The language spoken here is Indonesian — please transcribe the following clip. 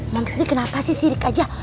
max ini kenapa sih sirik aja